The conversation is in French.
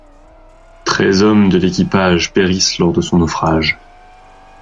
Treize hommes de l'équipage périssent lors de son naufrage.